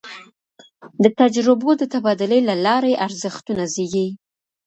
د تجربو د تبادلې له لاري ارزښتونه زېږي.